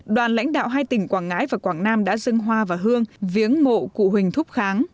đoàn lãnh đạo hai tỉnh quảng ngãi và quảng nam đã dân hoa và hương viếng mộ cụ huỳnh thúc kháng